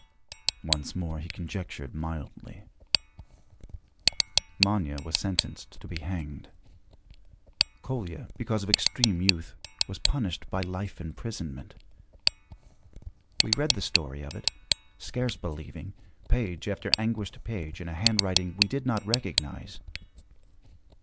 Once more he conjectured mildly. Manya was sentenced to be hanged. Kolya, because of extreme youth, was punished by life imprisonment. We read the story of it, scarce believing, page after anguished page in a handwriting we did not recognize.